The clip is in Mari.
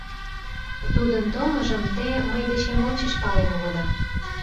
Тудын толмыжым те мый дечем ончыч пален улыда.